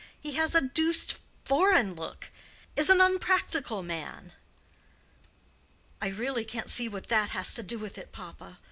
He has a deuced foreign look—is an unpractical man." "I really can't see what that has to do with it, papa.